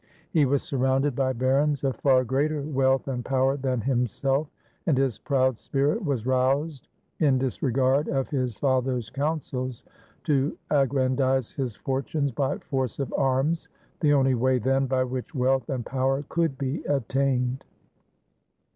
He was surrounded by barons of far greater wealth and power than himself, and his proud spirit was roused, in disre gard of his father's counsels, to aggrandize his fortunes by force of arms, the only way then by which wealth and power could be attained.